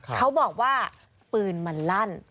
เขาบอกว่าปืนมันลั่น